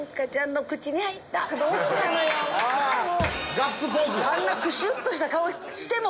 ガッツポーズ！